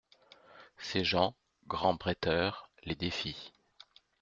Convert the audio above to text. Ses gens, grands bretteurs, les défient.